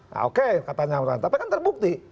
nah oke katanya tapi kan terbukti